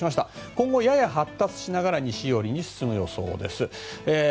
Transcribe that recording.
今後、やや発達しながら西寄りに進む予想です。